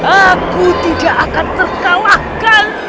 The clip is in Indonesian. aku tidak akan terkalahkan